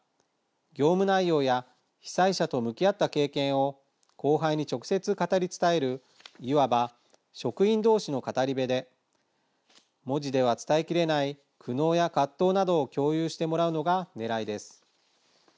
業務内容や被災者と向き合った経験を後輩に直接、語り伝えるいわば職員どうしの語り部で文字では伝えきれない苦悩や葛藤などを共有してもらうのがねらいです。